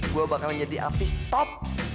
gue bakalan jadi artis top